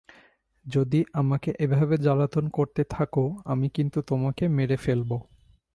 যদি আমাকে এভাবে জ্বালাতন করতে থাকো, আমি কিন্তু তোমাকে মেরে ফেলব।